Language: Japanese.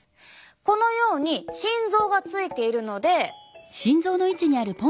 このように心臓がついているので。